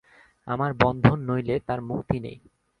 আমার বন্ধন নইলে তাঁর মুক্তি নেই।